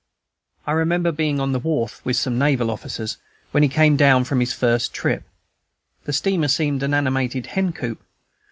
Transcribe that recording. I remember being on the wharf, with some naval officers, when he came down from his first trip. The steamer seemed an animated hen coop.